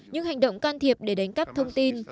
những hành động can thiệp để đánh cắp thông tin